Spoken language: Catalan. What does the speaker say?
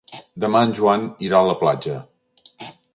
Demà en Joan irà a la platja.